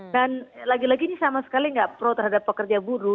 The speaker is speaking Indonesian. dan lagi lagi ini sama sekali nggak pro terhadap pekerja buruh